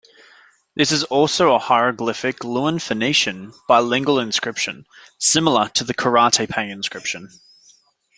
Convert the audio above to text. This is also a Hieroglyphic Luwian-Phoenician bilingual inscription, similar to the Karatepe inscription.